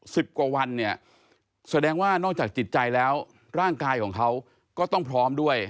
สิบกว่าวันเนี่ยแสดงว่านอกจากจิตใจแล้วร่างกายของเขาก็ต้องพร้อมด้วย